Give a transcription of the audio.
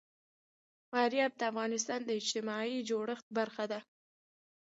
فاریاب د افغانستان د اجتماعي جوړښت برخه ده.